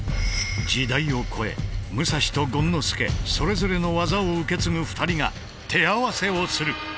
時代を超え武蔵と権之助それぞれの技を受け継ぐ２人が手合わせをする。